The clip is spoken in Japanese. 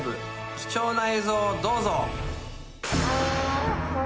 貴重な映像をどうぞ！